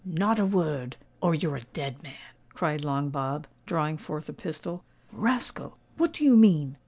"Not a word—or you're a dead man," cried Long Bob, drawing forth a pistol. "Rascal! what do you mean?"